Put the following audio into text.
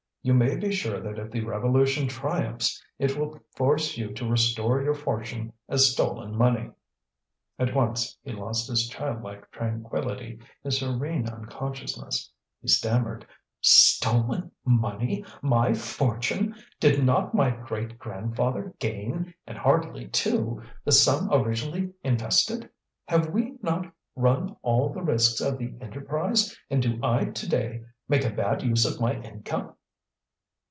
You may be sure that if the revolution triumphs, it will force you to restore your fortune as stolen money." At once he lost his child like tranquillity, his serene unconsciousness. He stammered: "Stolen money, my fortune! Did not my great grandfather gain, and hardly, too, the sum originally invested? Have we not run all the risks of the enterprise, and do I today make a bad use of my income?"